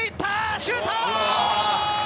シュート！